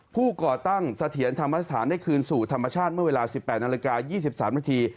ก่อตั้งเสถียรธรรมสถานได้คืนสู่ธรรมชาติเมื่อเวลา๑๘นาฬิกา๒๓นาที